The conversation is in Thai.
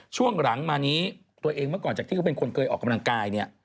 ช่วงหลังมานี้ตัวเองเมื่อก่อนจากที่เขาเป็นคนเคยออกกำลังกายเนี่ย